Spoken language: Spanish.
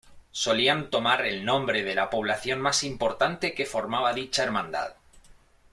Solían tomar el nombre de la población más importante que formaba dicha hermandad.